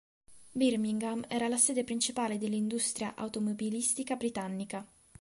Birmingham era la sede principale dell'industria automobilistica britannica.